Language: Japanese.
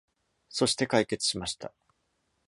そして、解決しました。